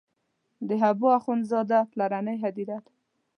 د حبو اخند زاده پلرنۍ هدیره ده.